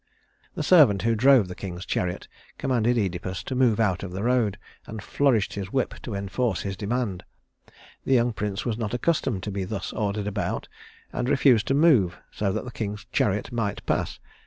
The servant who drove the king's chariot commanded Œdipus to move out of the road, and flourished his whip to enforce his demand. The young prince was not accustomed to be thus ordered about, and refused to move so that the king's chariot might pass.